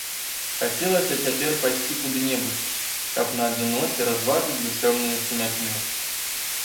Хацелася цяпер пайсці куды-небудзь, каб на адзіноце разважыць душэўную сумятню.